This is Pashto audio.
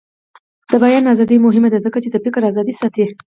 د فاریاب په المار کې د څه شي نښې دي؟